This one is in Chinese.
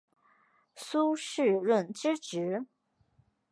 苏士润之侄。